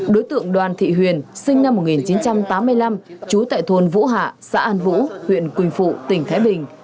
đối tượng đoàn thị huyền sinh năm một nghìn chín trăm tám mươi năm trú tại thôn vũ hạ xã an vũ huyện quỳnh phụ tỉnh thái bình